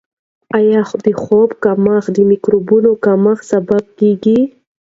آیا د خوب کمښت د مایکروبونو کمښت سبب کیږي؟